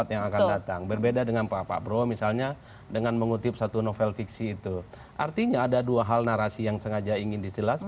yang sering menakuti justru saya